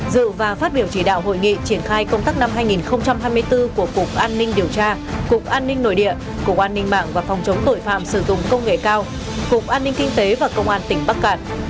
dự và phát biểu chỉ đạo hội nghị triển khai công tác năm hai nghìn hai mươi bốn của cục an ninh điều tra cục an ninh nội địa cục an ninh mạng và phòng chống tội phạm sử dụng công nghệ cao cục an ninh kinh tế và công an tỉnh bắc cạn